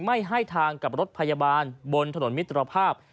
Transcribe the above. ไม่ให้ทางกับรถพยาบาลบนถนนมิตรภาพ